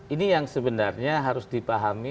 ini yang sebenarnya harus dipahami